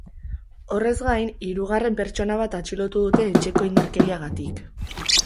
Horrez gain, hirugarren pertsona bat atxilotu dute etxeko indarkeriagatik.